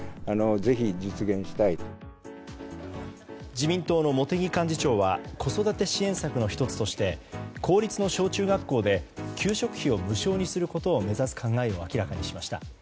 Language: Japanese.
自民党の茂木幹事長は子育て支援策の１つとして公立の小中学校で給食費を無償にすることを目指す考えを明らかにしました。